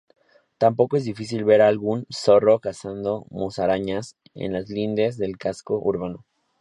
Tampoco es difícil ver algún zorro cazando musarañas en las lindes del casco urbano.